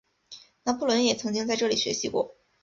拿破仑也曾经在这里学习过。